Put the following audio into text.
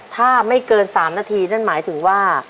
ถ้าไม่เกิน๓นาทีนั่นหมายถึงว่า